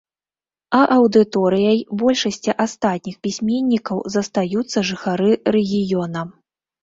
А аўдыторыяй большасці астатніх пісьменнікаў застаюцца жыхары рэгіёна.